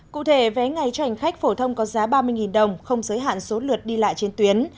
cụ thể vé ngày cho hành khách phổ thông có giá ba mươi đồng không giới hạn số lượt đi lại trên tuyến